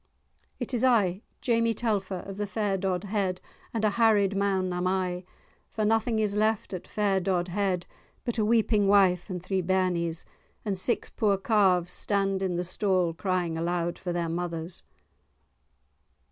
"It is I, Jamie Telfer, of the fair Dodhead, and a harried man am I, for nothing is left at fair Dodhead but a weeping wife and three bairnies, and six poor calves stand in the stall crying aloud for their mothers."